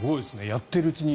やっているうちに。